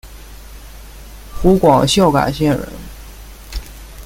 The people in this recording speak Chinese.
湖广孝感县人。